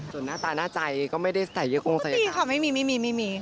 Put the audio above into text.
ส่วนหน้าตาหน้าใจก็ไม่ได้ใส่เย็กปรุงใส่คร้าวไม่มีครับ